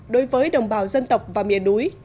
đối với đồng bào dân tộc và miền núi